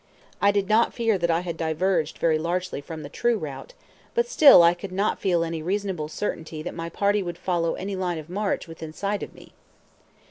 I did not fear that I had diverged very largely from the true route, but still I could not feel any reasonable certainty that my party would follow any line of march within sight of me.